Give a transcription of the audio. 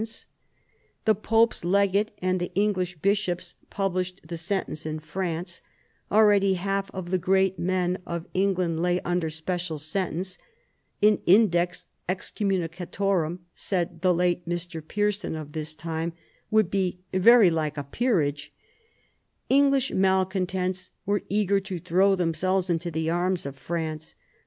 in THE FALL OF THE ANGEVINS 83 The pope's legate and the English bishops published the sentence in France. Already half the great men of England lay under special sentence. " An index excom municatorum," said the late Mr. Pearson of this time, "would be very like a peerage." English malcontents were eager to throw themselves into the arms of France.